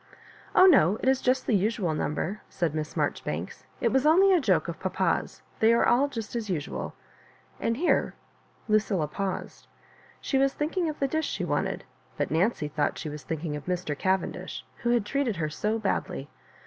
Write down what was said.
" Oh, no ; it is just the usual number," said Miss Marjoribanks. "It was only a joke of papa's — ^they are all just as usual " And here Lucilla paused. She was thinking of the dish she wanted, but Nancy thought she was. thinking of Mr. Cavendish, who had treated her so badly.